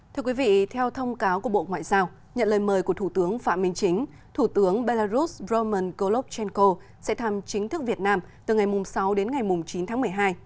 thưa quý vị theo thông cáo của bộ ngoại giao nhận lời mời của thủ tướng phạm minh chính thủ tướng belarus roman gollov chenko sẽ thăm chính thức việt nam từ ngày sáu đến ngày chín tháng một mươi hai